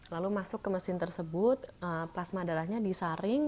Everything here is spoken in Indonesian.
lalu masuk ke mesin tersebut plasma darahnya disaring